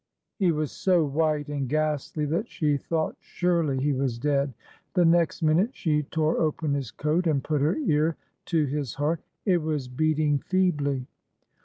He was so white and ghastly that she thought surely he was dead. The next minute, she tore open his coat and put her ear to his heart. It was beating feebly.